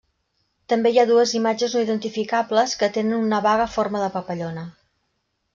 També hi ha dues imatges no identificables que tenen una vaga forma de papallona.